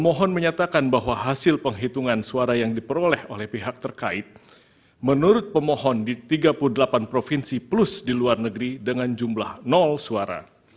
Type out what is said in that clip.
mohon menyatakan bahwa hasil penghitungan suara yang diperoleh oleh pihak terkait menurut pemohon di tiga puluh delapan provinsi plus di luar negeri dengan jumlah suara